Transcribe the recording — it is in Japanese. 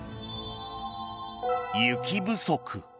雪不足。